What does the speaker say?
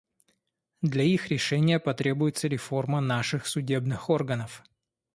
Для их решения потребуется реформа наших судебных органов.